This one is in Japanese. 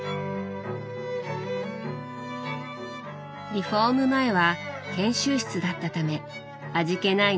リフォーム前は研修室だったため味気ない